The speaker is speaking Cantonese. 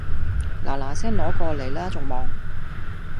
嗱嗱聲攞過黎啦仲望